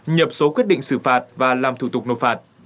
nhập số quyết định xử phạt và làm thủ tục nộp phạt